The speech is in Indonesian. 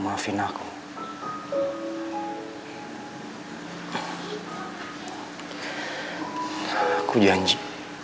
karena selama ini